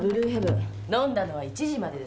飲んだのは１時までです。